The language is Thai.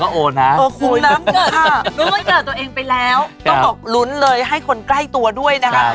ต้องบอกลุ้นเลยให้คนใกล้ตัวด้วยนะคะ